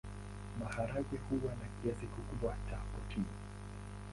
Maharagwe huwa na kiasi kikubwa cha protini.